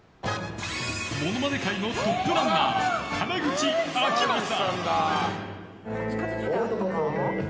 ものまね界のトップランナー原口あきまさ。